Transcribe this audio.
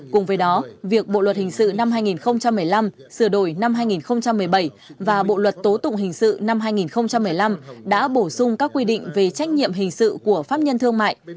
cùng với đó việc bộ luật hình sự năm hai nghìn một mươi năm sửa đổi năm hai nghìn một mươi bảy và bộ luật tố tụng hình sự năm hai nghìn một mươi năm đã bổ sung các quy định về trách nhiệm hình sự của pháp nhân thương mại